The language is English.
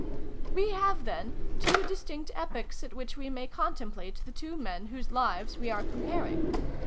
" We have, then, two distinct epochs at which we may contemplate the two men whose lives we are comparing.